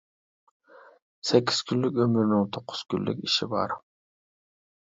سەككىز كۈنلۈك ئۆمۈرنىڭ، توققۇز كۈنلۈك ئىشى بار.